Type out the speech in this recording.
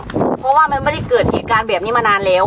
เพราะว่ามันไม่ได้เกิดเหตุการณ์แบบนี้มานานแล้ว